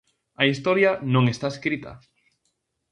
A historia non está escrita.